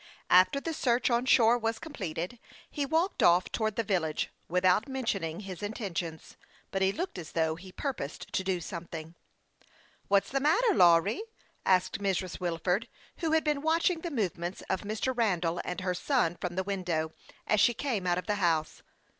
After the search on shore was completed, he walked off towards the village without mention ing his intentions, but he looked as though he pur posed to do something. "What's the matter, Lawry?" asked Mrs. Wil ford, who had been watching the movements of Mr. Randall and her son from the window, as she came out .of the house.